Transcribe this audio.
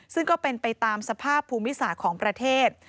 ซึ่งก็เป็นไปตามสภาพภูมิศาสตร์ของประเทศ